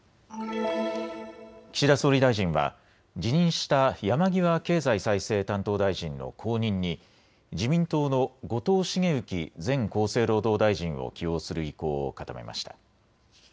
岸田総理大臣は辞任した山際経済再生担当大臣の後任に自民党の後藤茂之前厚生労働大臣を起用する意向を固めました。